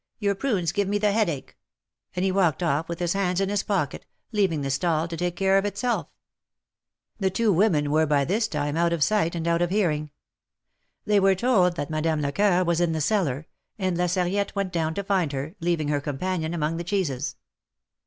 Your prunes give me the headache," and he walked off with his hands in his pocket, leaving the stall to take care of itself. The two women were by this time out of sight and out of hearing. They were told that Madame Lecoeur was in the cellar, and La Sarriette went down to find her, leaving her companion among the cheeses.